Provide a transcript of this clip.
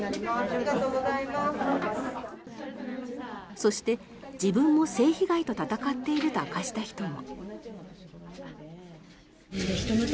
そして、自分も性被害と闘っていると明かした人も。